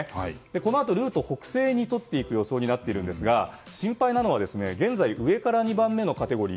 このあとルートを北西にとっていく予想ですが心配なのは現在上から２番目のカテゴリ